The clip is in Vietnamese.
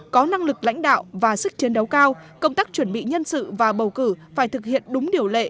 có năng lực lãnh đạo và sức chiến đấu cao công tác chuẩn bị nhân sự và bầu cử phải thực hiện đúng điều lệ